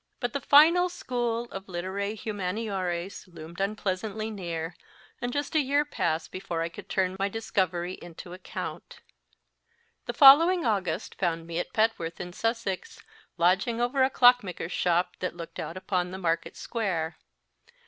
But the Final School of Literae Humaniores loomed unpleasantly near, and just a year passed before I could turn my discovery to account. The following August found me at Petworth, in Sussex, lodging over a clockmaker s shop that looked out upon the Market Square.